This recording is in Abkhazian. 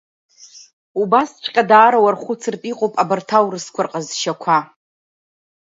Убасҵәҟьа даара уархәыцыртә иҟоуп абарҭ аурысқәа рҟазшьақәа.